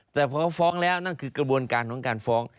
แต่พอเขาฟ้องแล้วนั่นคือกระบวนการของการฟ้อง